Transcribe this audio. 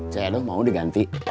saya dong mau diganti